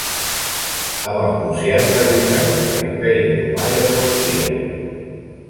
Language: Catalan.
Amb els prussians va lluitar contra l'Imperi Otomà i els austríacs.